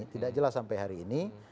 tidak jelas sampai hari ini